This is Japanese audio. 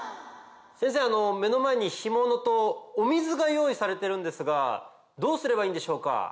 先生目の前に干物とお水が用意されてるんですがどうすればいいんでしょうか？